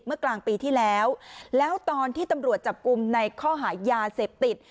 เมื่อกลางปีที่แล้วแล้วตอนที่ตำรวจจับกลุ่มในข้อหายาเสพติด